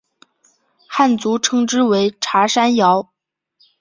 汉族称之为茶山瑶。